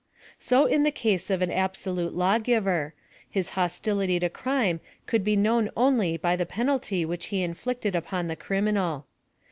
So in the case of an absolute lawgivei : his hos tility to crime could be known only by the penalty which he inflicted upon the criminal.